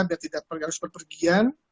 biar tidak harus perpergian